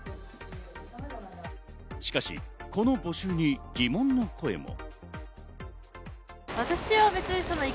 しかしこの募集に疑問の声も。